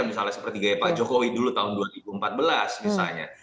misalnya seperti gaya pak jokowi dulu tahun dua ribu empat belas misalnya